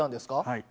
はい。